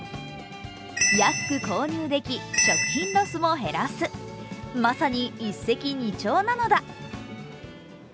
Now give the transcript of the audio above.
安く購入でき、食品ロスも減らすまさに一石二鳥なのだ。